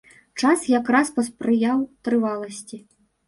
Час якраз паспрыяў трываласці.